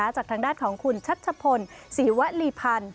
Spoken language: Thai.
จากทางด้านของคุณชัชพลศรีวลีพันธ์